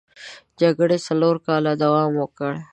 جګړې څلور کاله دوام وکړ.